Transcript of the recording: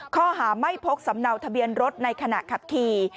ข้อหาไม่พกสำเนาทะเบียนรถในขณะขับขี่